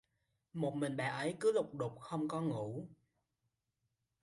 Mỗi mình bà ấy cứ lục đục không có ngủ